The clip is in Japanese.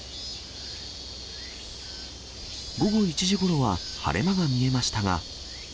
午後１時ごろは晴れ間が見えましたが。